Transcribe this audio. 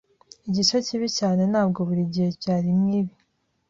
Igice kibi cyane, ntabwo buri gihe byari nkibi.